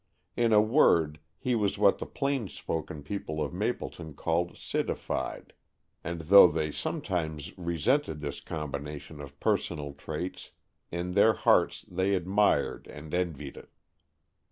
In a word, he was what the plain spoken people of Mapleton called citified, and though they sometimes resented this combination of personal traits, in their hearts they admired and envied it.